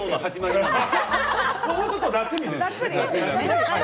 もうちょっと楽にです。